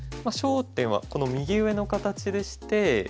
焦点はこの右上の形でして。